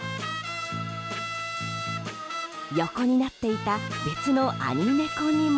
横になっていた別の兄猫にも。